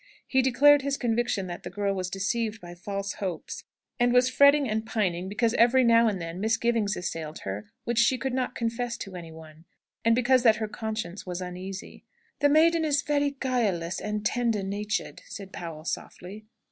He declared his conviction that the girl was deceived by false hopes, and was fretting and pining because every now and then misgivings assailed her which she could not confess to any one, and because that her conscience was uneasy. "The maiden is very guileless and tender natured," said Powell, softly.